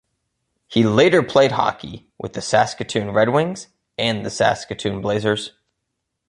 He later played hockey with the Saskatoon Red Wings and the Saskatoon Blazers.